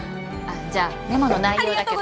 あっじゃあメモの内容だけ。